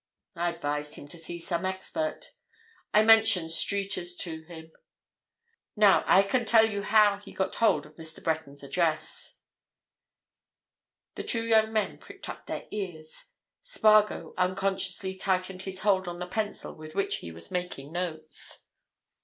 I advised him to see some expert—I mentioned Streeter's to him. Now, I can tell you how he got hold of Mr. Breton's address." The two young men pricked up their ears. Spargo unconsciously tightened his hold on the pencil with which he was making notes.